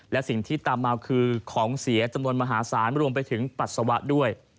และสิ่งที่ตามมาคือของเสียจำนวนมหาศาลรวมไปถึงปัสสาวะด้วย